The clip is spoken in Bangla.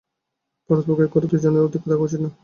পারতপক্ষে একঘরে দুই জনের অধিক থাকা উচিত নহে।